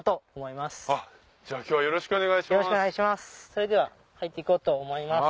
それでは入っていこうと思います。